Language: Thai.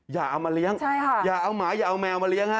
อย่าเอามาเลี้ยงอย่าเอาหมาอย่าเอาแมวมาเลี้ยฮะ